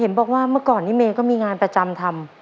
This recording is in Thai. บอกว่าเมื่อก่อนนี้เมย์ก็มีงานประจำทำ